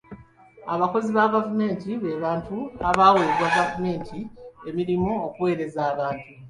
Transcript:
Abakozi ba gavumenti be bantu abaaweebwa gavumenti emirimu okuweereza abantu.